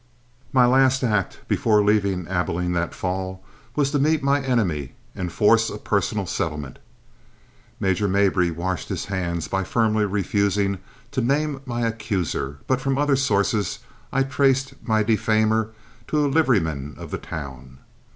My last act before leaving Abilene that fall was to meet my enemy and force a personal settlement. Major Mabry washed his hands by firmly refusing to name my accuser, but from other sources I traced my defamer to a liveryman of the town.